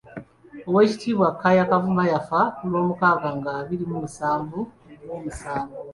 Owekitiibwa Kaaya Kavuma yafa ku lwomukaaga nga abiri mu musanvu Ogwomusanvu.